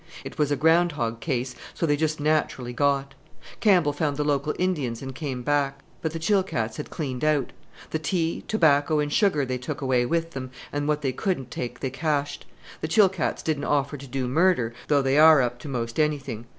It was a ground hog case, so they just naturally got! Campbell found the local Indians and came back; but the Chilkats had cleaned out. The tea, tobacco, and sugar they took away with them, and what they couldn't take they cached. The Chilkats didn't offer to do murder, though they are up to most anything.